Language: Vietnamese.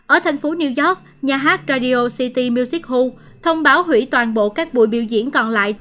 ở thành phố new york nhà hát radio city music hou thông báo hủy toàn bộ các buổi biểu diễn còn lại